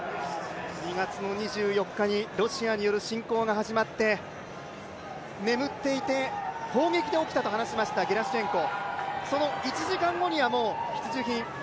２月の２４日にロシアによる侵攻が始まって眠っていて、砲撃で起きたと話しましたゲラシュチェンコ。